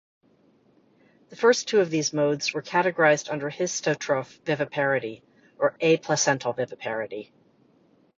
The first two of these modes were categorized under histotroph viviparity, or aplacental viviparity.